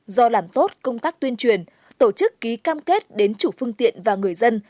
do làm tốt công tác tuyên truyền tổ chức ký cam kết đến chủ phương tiện và người dân